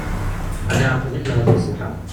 Ɛni ɛerqen-ak lehdur sbeḥ-a?